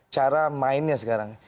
cara mainnya sekarang